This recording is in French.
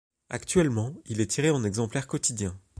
Actuellement, il est tiré en exemplaires quotidiens.